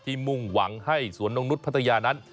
มุ่งหวังให้สวนนกนุษย์พัทยานั้น